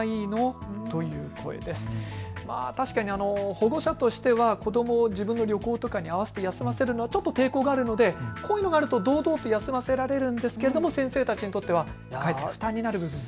保護者としては子どもを自分の旅行とかにあわせて休ませるのはちょっと抵抗があるのでこういうのがあると堂々と休ませられるんですけれども先生たちにとってはかえって負担になる部分も。